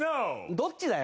どっちだよ？